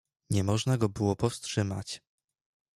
"Nie można go było powstrzymać."